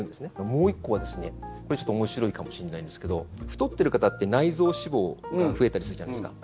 もう１個は、これ面白いかもしれないんですけど太ってる方って、内臓脂肪が増えたりするじゃないですか。